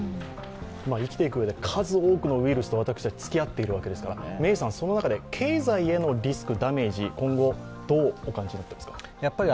生きていくうえで数多くのウイルスと私たち付き合っているわけですから、メイさん、その中で経済へのリスク、ダメージ、今後、どうお考えになりますか？